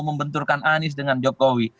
membenturkan anies dengan jokowi